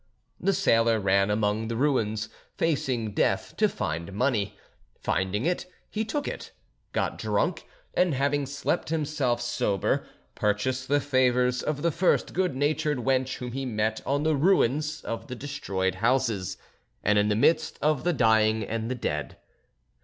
The sailor ran among the ruins, facing death to find money; finding it, he took it, got drunk, and having slept himself sober, purchased the favours of the first good natured wench whom he met on the ruins of the destroyed houses, and in the midst of the dying and the dead.